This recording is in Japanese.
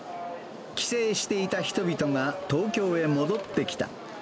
帰省していた人々が東京へ戻ってきた。